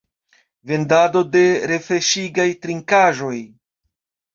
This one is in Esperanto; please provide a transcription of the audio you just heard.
Vendado de refreŝigaj trinkaĵoj.